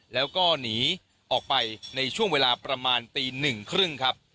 แล้วก็หนีออกไปในช่วงเวลาประมาณตีหนึ่งครึ่งครับ